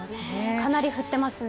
かなり降ってますね。